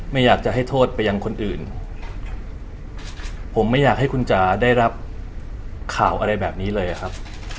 ไม่อยากจะให้โทษไปยังคนอื่นผมไม่อยากให้คุณจ๋าได้รับข่าวอะไรแบบนี้เลยอะครับ